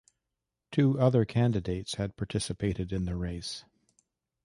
Two other candidates had participated in the race.